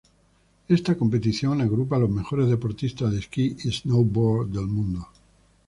Esta competición agrupa los mejores deportistas de esquí y snowboard del mundo.